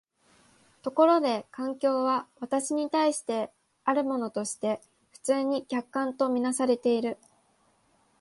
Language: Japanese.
ところで環境は私に対してあるものとして普通に客観と看做されている。